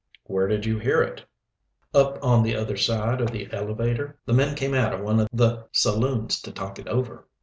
"Where did you hear it?" "Up on the other side of the elevator. The men came out of one o' the saloons to talk it over."